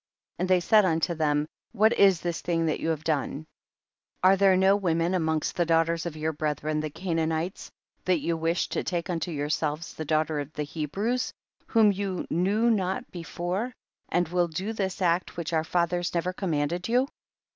6. And they said unto them, what is this thing that you have done ? are there no women amongst the daugh ters of your brethren the Canaanites, that you wish to take unto yourselves daughters of the Hebrews, whom ye knew not before, and will do this act which ^^our fathers never com manded you